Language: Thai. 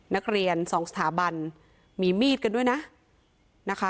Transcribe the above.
นักเรียนสองสถาบันมีมีดกันด้วยนะนะคะ